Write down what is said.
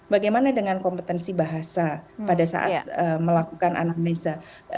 bagaimana dengan kompetensi bahasa pada saat melakukan anamnesa